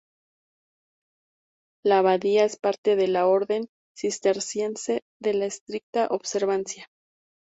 La abadía es parte de la Orden Cisterciense de la Estricta Observancia.